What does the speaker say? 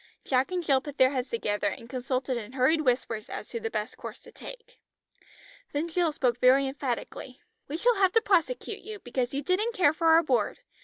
Jack and Jill put their heads together, and consulted in hurried whispers as to the best course to take. Then Jill spoke very emphatically. "We shall have to prosecute you, because you didn't care for our board.